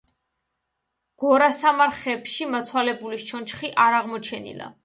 გორასამარხებში მიცვალებულის ჩონჩხი არ აღმოჩენილა.